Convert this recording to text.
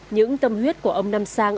những tâm huyết của ông nam sang